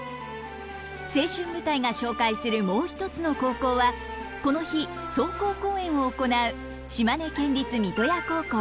「青春舞台」が紹介するもう一つの高校はこの日壮行公演を行う島根県立三刀屋高校。